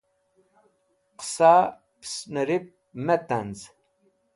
Qẽsa pẽsnẽrip me tanz̃.